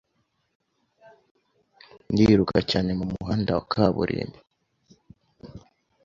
Ndiruka cyane mumuhanda wakaburimbo